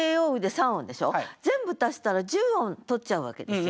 全部足したら１０音取っちゃうわけですよ。